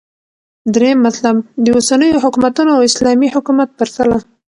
دريم مطلب - داوسنيو حكومتونو او اسلامې حكومت پرتله